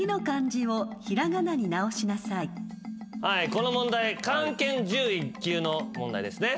この問題漢検準１級の問題ですね。